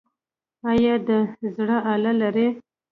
ایا د زړه آله لرئ؟